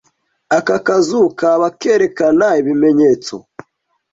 Aka kazu kaba kerekana ibimenyetso?